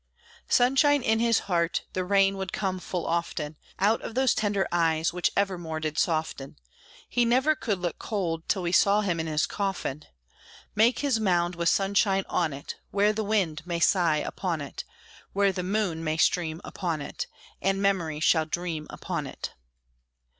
Sunshine in his heart, the rain would come full often Out of those tender eyes which evermore did soften; He never could look cold, till we saw him in his coffin: Make his mound with sunshine on it, Where the wind may sigh upon it, Where the moon may stream upon it, And Memory shall dream upon it.